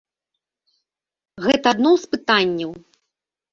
Гэта адно з пытанняў.